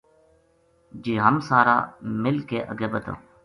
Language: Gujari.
جے ہم سارا مل کے اَگے بدھاں